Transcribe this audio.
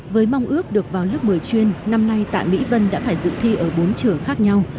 với mong ước được vào lớp một mươi chuyên năm nay tại mỹ vân đã phải dự thi ở bốn trường khác nhau